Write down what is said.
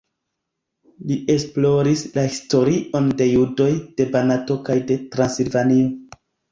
Li esploris la historion de judoj de Banato kaj de Transilvanio.